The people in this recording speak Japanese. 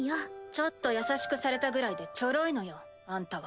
ちょっと優しくされたぐらいでチョロいのよあんたは。